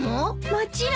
もちろん。